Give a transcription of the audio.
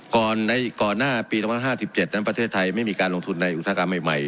ก่อนหน้าปี๒๕๗นั้นประเทศไทยไม่มีการลงทุนในอุตสาหกรรมใหม่